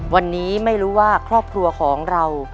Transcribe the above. วันนี้ไม่รู้ว่าครอบครัวของเรา